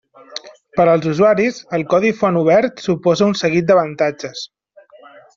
Per als usuaris, el codi font obert suposa un seguit d'avantatges.